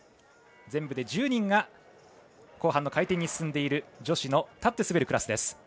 全部で１０人が後半の回転に進んでいる女子の立って滑るクラスです。